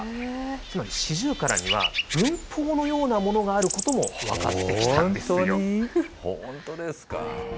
つまりシジュウカラには、文法のようなものがあることも分かって本当に？